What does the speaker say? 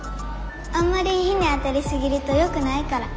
あんまり日に当たりすぎるとよくないから。